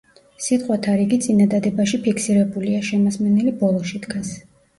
სიტყვათა რიგი წინადადებაში ფიქსირებულია, შემასმენელი ბოლოში დგას.